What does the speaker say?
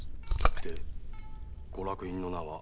でご落胤の名は？